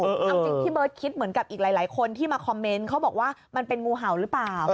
เอาจริงพี่เบิร์ตคิดเหมือนกับอีกหลายคนที่มาคอมเมนต์เขาบอกว่ามันเป็นงูเห่าหรือเปล่า